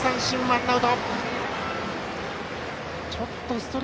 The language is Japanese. ワンアウト。